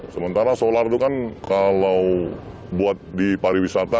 sementara solar itu kan kalau buat di pariwisata